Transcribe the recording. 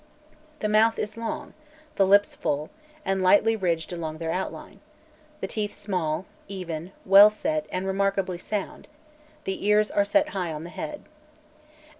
The mouth is long, the lips full, and lightly ridged along their outline; the teeth small, even, well set, and remarkably sound; the ears are set high on the head.